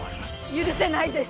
「許せないです」